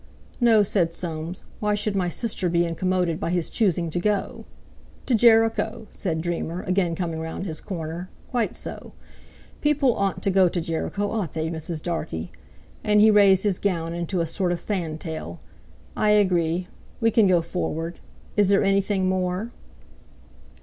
"No," said Soames, "why should my sister be incommoded by his choosing to go..." "To Jericho!" said Dreamer, again coming round his corner; "quite so. People oughtn't to go to Jericho, ought they, Mrs. Dartie?" And he raised his gown into a sort of fantail. "I agree. We can go forward. Is there anything more?"